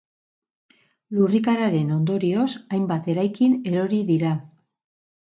Lurrikararen ondorioz, hainbat eraikin erori dira.